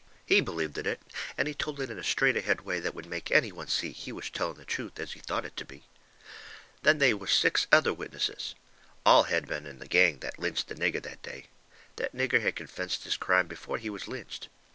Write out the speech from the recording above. He believed in it, and he told it in a straight ahead way that would make any one see he was telling the truth as he thought it to be. Then they was six other witnesses. All had been in the gang that lynched the nigger that day. That nigger had confessed his crime before he was lynched.